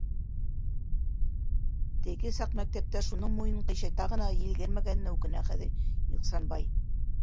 Теге саҡ мәктәптә шуның муйынын ҡыйшайта ғына елгәрмәгәненә үкенә хәҙер Ихсанбай.